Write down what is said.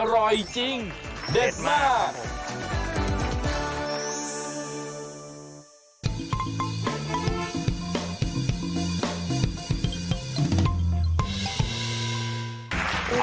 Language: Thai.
อร่อยจริงเด็ดมาก